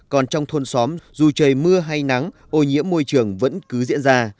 còn trong thôn xóm dù trời mưa hay nắng ô nhiễm môi trường vẫn cứ diễn ra